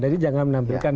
jadi jangan menampilkan